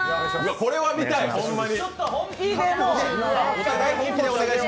これは見たい、ホンマに。